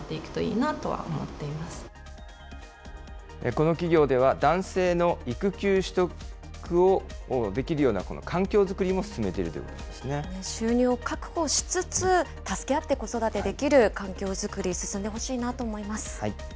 この企業では、男性の育休取得をできるような環境作りも進めているということで収入を確保しつつ、助け合って子育てできる環境作り、進んでほしいなと思います。